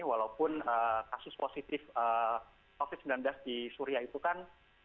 walaupun kasus positif covid sembilan belas di suria itu kan